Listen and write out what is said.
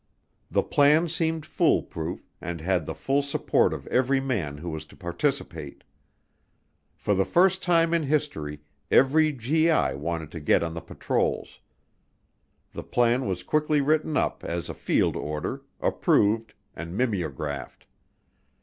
The plan seemed foolproof and had the full support of every man who was to participate. For the first time in history every GI wanted to get on the patrols. The plan was quickly written up as a field order, approved, and mimeographed.